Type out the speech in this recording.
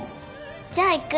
じゃあ行く。